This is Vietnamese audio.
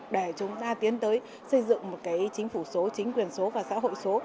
để chúng ta tiến tới xây dựng một cái chính phủ số chính quyền số và xã hội số